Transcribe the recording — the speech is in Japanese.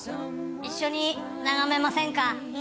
一緒に眺めませんか？